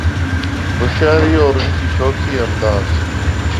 ہوشیاری اور ان کی شوخی انداز